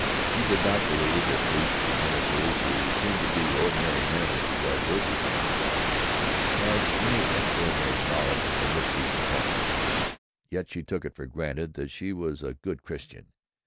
She did not believe that priests and ministers, who seemed to be ordinary men as regards earthly things, had any extraordinary knowledge of the mysteries of heaven. Yet she took it for granted that she was a good Christian.